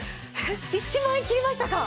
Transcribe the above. １万円切りましたか。